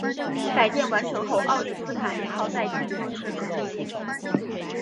改建完成后奥里斯卡尼号在近海试航训练。